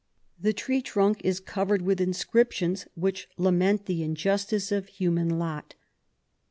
The tree's trunk is covered with inscriptions which lament the injustice of human lot.